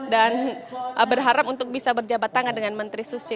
dan berharap untuk bisa berjabat tangan dengan menteri susi